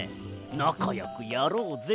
なかよくやろうぜ。